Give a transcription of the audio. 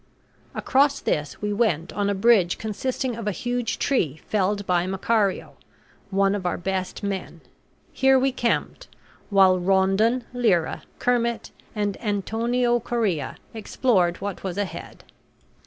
Across this we went on a bridge consisting of a huge tree felled by Macario, one of our best men. Here we camped, while Rondon, Lyra, Kermit, and Antonio Correa explored what was ahead.